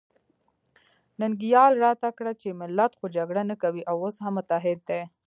ننګیال راته کړه چې ملت خو جګړه نه کوي او اوس هم متحد دی.